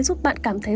giúp bạn cảm thấy